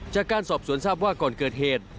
จากการสอบสวนทราบว่าก่อนเกิดเหตุ